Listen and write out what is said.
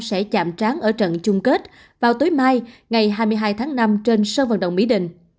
sẽ chạm tráng ở trận chung kết vào tối mai ngày hai mươi hai tháng năm trên sân vận động mỹ đình